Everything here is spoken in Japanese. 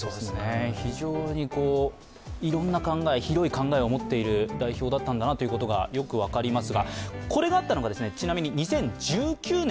非常にいろんな考え、広い考えを持っている代表だったんだなということがよく分かります。